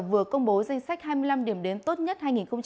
vừa công bố danh sách hai mươi năm điểm đếm tốt nhất hai nghìn một mươi tám